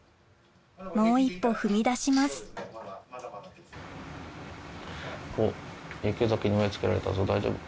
もう一歩踏み出します大丈夫か？